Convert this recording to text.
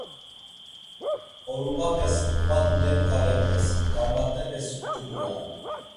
Orubapes kva tudenǩalepes, Karmat̆epes sǩuduran.